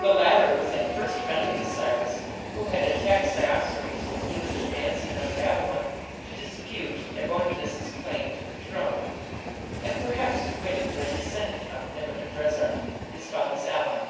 The latter was at first friendly to Cyrus, who had attacked Cyaxares when he was advancing on Babylon to dispute Nabonidus's claim to the throne, and perhaps to win it for a descendant of Nebuchadrezzar, his father's ally.